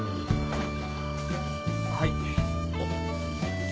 はい。